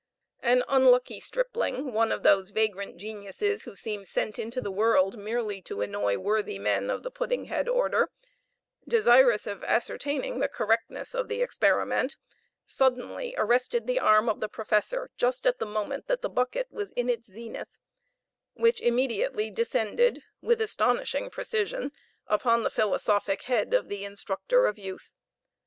An unlucky stripling, one of those vagrant geniuses who seem sent into the world merely to annoy worthy men of the puddinghead order, desirous of ascertaining the correctness of the experiment, suddenly arrested the arm of the professor just at the moment that the bucket was in its zenith, which immediately descended with astonishing precision upon the philosophic head of the instructor of youth.